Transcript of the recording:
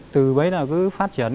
từ bấy giờ cứ phát triển